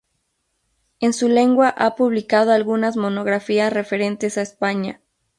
En su lengua ha publicado algunas monografías referentes a España.